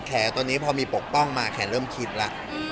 ตัวนี้พอมีปกป้องมาแขนเริ่มคิดแล้ว